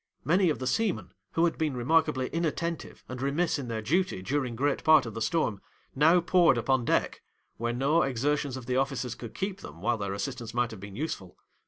'Many of the seamen, who had been remarkably inattentive and remiss in their duty during great part of the storm, now poured upon deck, where no exertions of the officers could keep them, while their assistance might have been useful.